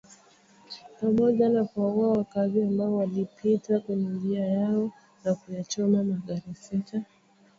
Pamoja na kuwaua wakaazi ambao walipita kwenye njia yao na kuyachoma magari sita.